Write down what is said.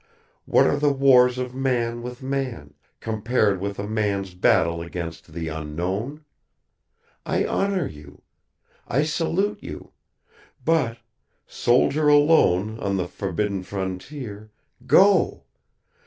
What are the wars of man with man, compared with a man's battle against the Unknown? I honor you! I salute you! But soldier alone on the forbidden Frontier, go!